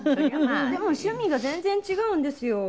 でも趣味が全然違うんですよ